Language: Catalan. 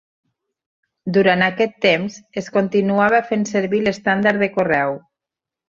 Durant aquest temps, es continuava fent servir l'estàndard de correu.